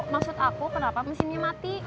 maksud aku kenapa mesinnya mati